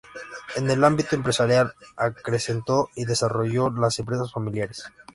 En el ámbito empresarial, acrecentó y desarrolló las empresas familiares.